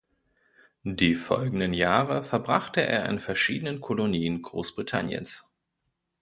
Die folgenden Jahre verbrachte er in verschiedenen Kolonien Großbritanniens.